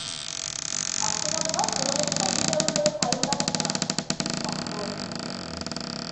Автовокзал ҡырмыҫҡа иләүеләй ҡайнап тора. — тип асыуым килде.